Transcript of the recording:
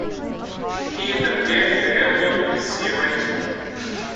He then gave the album a C- rating.